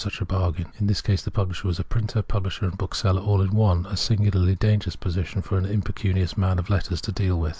such a bargain ; in this case the publisher was printer, publisher, and bookseller all in one — a singularly dangerous person for an impecunious man of letters to deal with.